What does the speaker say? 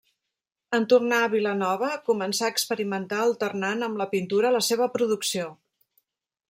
En tornar a Vilanova començà a experimentar alternant amb la pintura la seva producció.